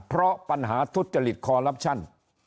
เพราะปัญหาทุจริตคอลลับชั่น